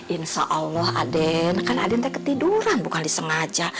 insya allah aden kan aden tak ketiduran bukan disengaja